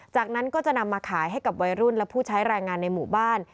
จากนั้นก็จะนำมาขายให้กับวัยรุ่นและผู้ใช้แรงงานในหมู่บ้าน